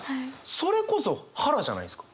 それこそ腹じゃないですか。